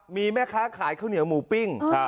มีแม่ค้าขายข้าวเหนียวหมูปิ้ง